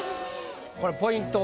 これポイントは？